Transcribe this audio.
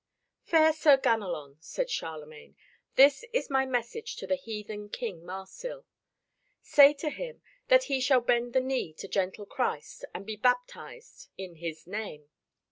"Fair Sir Ganelon," said Charlemagne, "this is my message to the heathen King Marsil. Say to him that he shall bend the knee to gentle Christ and be baptized in His name.